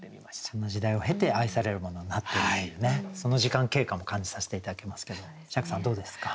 そんな時代を経て愛されるものになってるというねその時間経過も感じさせて頂けますけど釈さんどうですか？